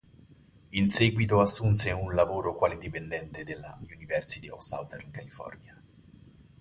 In seguito assunse un lavoro quale dipendente della University of Southern California.